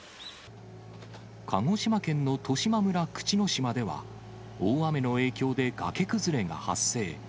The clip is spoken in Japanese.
鹿児島県の十島村口之島では、大雨の影響で崖崩れが発生。